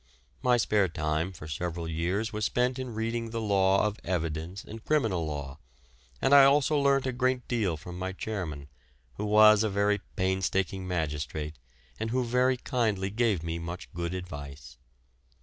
My spare time for several years was spent in reading the law of evidence and criminal law, and I also learnt a great deal from my chairman, who was a very painstaking magistrate, and who very kindly gave me much good advice.